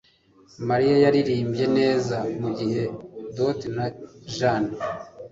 Mariya yaririmbye neza mugihe duet na Jane